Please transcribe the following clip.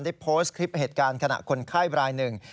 ได้โพสต์คลิปเหตุการณ์ขณะคนไข้รายหนึ่ง